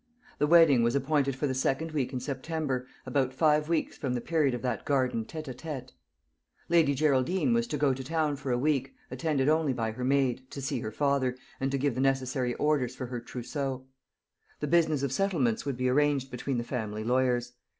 The wedding was appointed for the second week in September, about five weeks from the period of that garden tête à tête. Lady Geraldine was to go to town for a week, attended only by her maid, to see her father, and to give the necessary orders for her trousseau. The business of settlements would be arranged between the family lawyers.